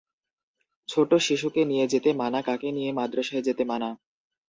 ছোট্ট শিশুকে নিয়ে যেতে মানা কাকে নিয়ে মাদ্রাসায় যেতে মানা?